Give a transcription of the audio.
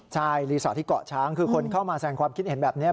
ใช่รีสอร์ทที่เกาะช้างคือคนเข้ามาแสงความคิดเห็นแบบนี้